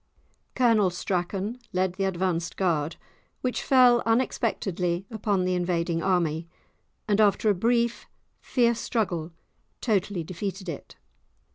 Colonel Strachan led the advanced guard, which fell unexpectedly upon the invading army, and, after a brief, fierce struggle, totally defeated it.